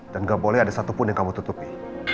dan nggak boleh ada satupun yang kamu tutupi